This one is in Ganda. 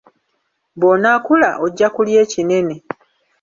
Bw'onaakula ojja kulya ekinene.